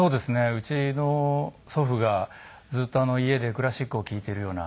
うちの祖父がずっと家でクラシックを聴いているような。